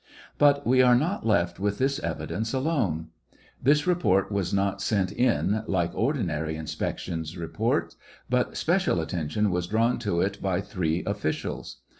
But we are not left with this evidence alone. This report was not sent in like ordinary inspection reports, but special attention was drawn to it by three officials.